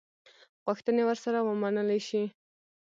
غوښتني ورسره ومنلي شي.